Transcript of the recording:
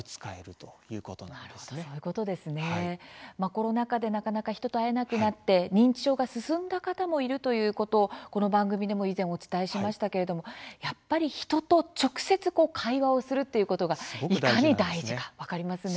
コロナ禍でなかなか人と会えなくなって認知症が進んだ方もいるということをこの番組でも以前お伝えしましたけれどもやっぱり人と直接会話をするっていうことがいかに大事か分かりますね。